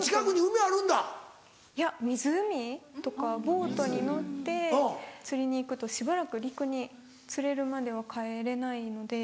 ボートに乗って釣りに行くとしばらく陸に釣れるまでは帰れないので。